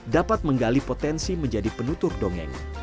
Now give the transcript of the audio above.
dapat menggali potensi menjadi penutur dongeng